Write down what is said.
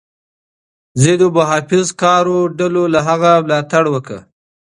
ځینو محافظه کارو ډلو له هغه ملاتړ وکړ.